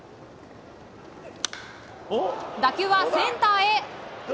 打球はセンターへ。